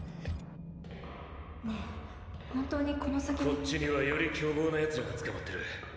こっちにはより凶暴な奴らが捕まってる。